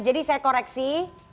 jadi saya koreksi